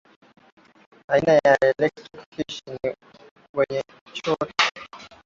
aina ya Electric Fish ni wenye shoti